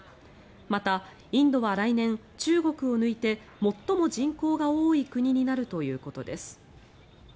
また、インドは来年中国を抜いて最も人口が多い国になるということです。